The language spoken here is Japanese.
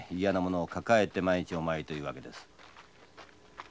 嫌なものを抱えて毎日お参りというわけです。